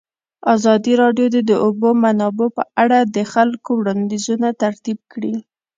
ازادي راډیو د د اوبو منابع په اړه د خلکو وړاندیزونه ترتیب کړي.